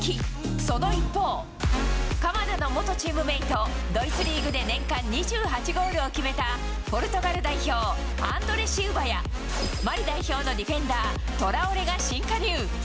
その一方、鎌田の元チームメート、ドイツリーグで年間２８ゴールを決めたポルトガル代表、アンドレ・シウヴァや、マリ代表のディフェンダー、トラオレが新加入。